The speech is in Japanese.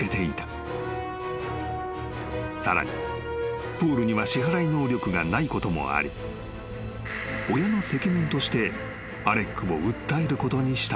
［さらにポールには支払い能力がないこともあり親の責任としてアレックを訴えることにしたのだ］